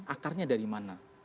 akarnya dari mana